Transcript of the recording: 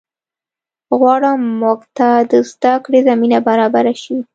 غواړم مونږ ته د زده کړې زمینه برابره شي